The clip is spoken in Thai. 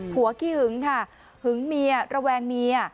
ขี้หึงค่ะหึงเมียระแวงเมีย